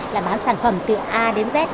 là bán sản phẩm từ a đến z